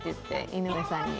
井上さんに。